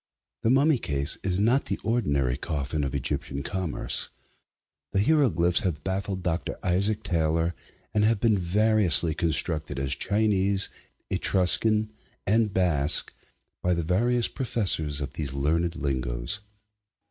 The mummy case is not the ordinary coffin of Egyptian commerce. The hieroglyphics have baffled Dr. Isaac Taylor, and have been variously construed as Chinese, Etruscan, and Basque, by the various professors of these learned lingoes.